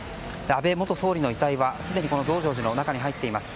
安倍元総理の遺体はすでにこの増上寺の中に入っています。